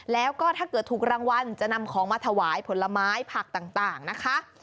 แล้วก็ถ้าเกิดถูกรางวัลจะนำของมาถวายผลไม้ผักต่างนะคะ